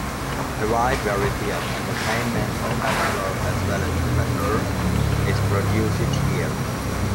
A wide variety of entertainment, professional as well as amateur, is produced each year.